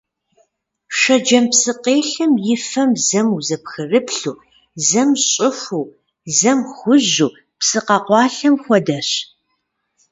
Шэджэм псыкъелъэм и фэм зэм узэпхрыплъу, зэм щӀыхуу, зэм хужьу, псы къэкъуэлъам хуэдэщ.